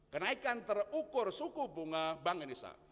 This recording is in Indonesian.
kenaikan terukur suku bunga bank indonesia